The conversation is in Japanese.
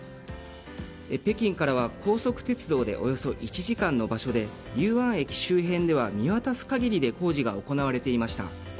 北京からは高速鉄道でおよそ１時間の場所で雄安駅周辺では見渡す限りで工事が行われていました。